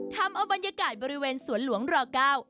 ทำเอาบรรยากาศบริเวณสวนหลวงรเก้า